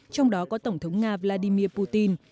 trong đó có tổng thống nga vladimir putin